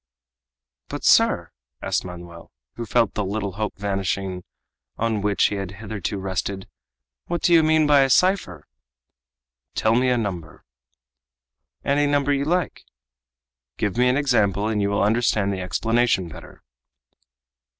"But, sir," asked Manoel, who felt the little hope vanishing on which he had hitherto rested, "what do you mean by a cipher?" "Tell me a number." "Any number you like." "Give me an example and you will understand the explanation better."